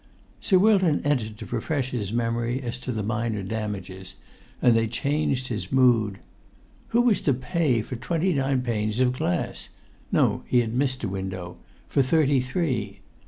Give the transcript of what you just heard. Sir Wilton entered to refresh his memory as to the minor damages, and they changed his mood. Who was to pay for twenty nine panes of glass—no, he had missed a window—for thirty three?